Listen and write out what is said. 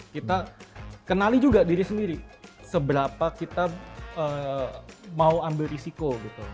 kita kenali juga diri sendiri seberapa kita mau ambil risiko